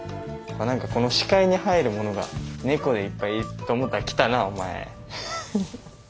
まあ何かこの視界に入るものが猫でいっぱいと思ったら来たなお前。